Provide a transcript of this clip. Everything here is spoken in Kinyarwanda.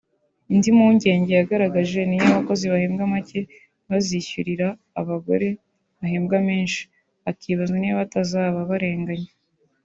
Indi mpungenge yagaragaje n’iy’abakozi bahembwa make bazishyurira abagore bahembwa menshi akibaza niba batazaba barenganye